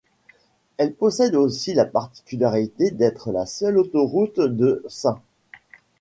Elle possède aussi la particularité d'être la seule autoroute de St.